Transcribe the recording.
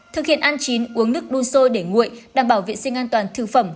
thực hiện ăn chín uống nước đun sôi để nguội đảm bảo viện sinh an toàn thư phẩm